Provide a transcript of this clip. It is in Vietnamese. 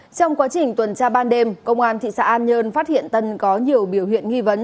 trong quá trình tuần tra ban đêm công an thị xã an nhơn phát hiện tân có nhiều biểu hiện nghi vấn